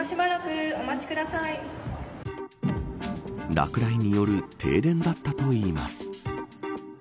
落雷による停電だったといいます。